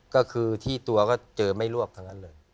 ก็คือที่ตัวก็เจอไม่ลวกทั้งนั้นเลย